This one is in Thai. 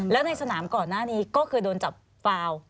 แล้วในสนามก่อนหน้านี้ก็เคยโดนจับฟาว